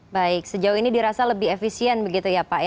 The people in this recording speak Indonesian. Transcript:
baik sejauh ini dirasa lebih efisien begitu ya pak